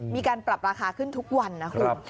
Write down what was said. มีการปรับราคาขึ้นทุกวันนะคุณ